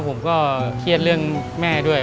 ผมก็เครียดเรื่องแม่ด้วย